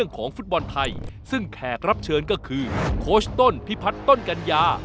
โค้ชต้นพิพัทต้นกัญญา